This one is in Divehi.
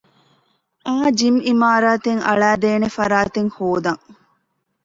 އައު ޖިމް އިމާރާތެއް އަޅައިދޭނޭ ފަރާތެއް ހޯދަން